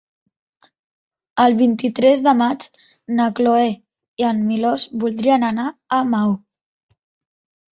El vint-i-tres de maig na Cloè i en Milos voldrien anar a Maó.